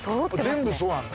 全部そうなんだ。